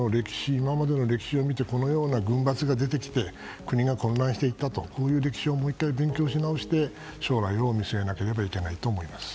今までの歴史を見てこのような軍閥が出てきて国が混乱していった歴史をもう１回勉強し直して将来を見据えなければならないと思います。